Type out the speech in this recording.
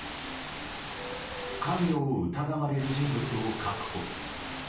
関与を疑われる人物を確保。